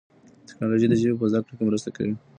تکنالوژي د ژبي په زده کړه کي مرسته کوي.